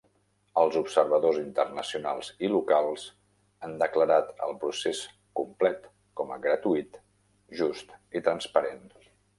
Els observadors internacionals i locals han declarat el procés complet com a gratuït, just i transparent.